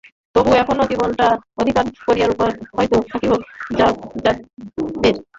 তবু, তখনও জনরবটা অস্বীকার করিবার উপায় হয়তো থাকিত যাদবের।